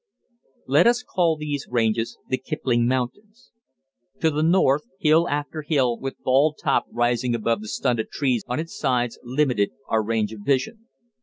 Let us call these ranges the Kipling Mountains. To the north, hill after hill, with bald top rising above the stunted trees on its sides, limited our range of vision.